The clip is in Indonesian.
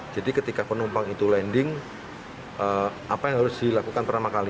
jadi ketika penumpang itu landing apa yang harus dilakukan pertama kali